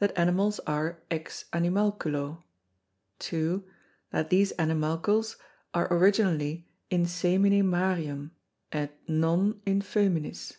That Animals are ex Animalculo. 2. That these Animalcles are originally in semine Marium & non in Fœminis. 3.